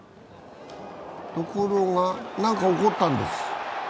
ところが、何か起こったんです。